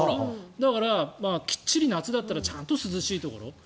だから、きっちり夏だったらちゃんと涼しいところ。